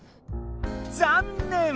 残念！